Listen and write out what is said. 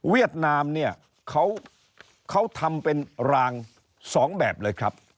ดนามเนี่ยเขาทำเป็นราง๒แบบเลยครับ